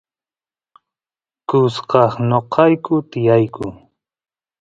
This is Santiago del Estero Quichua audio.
kusqas noqayku tiyayku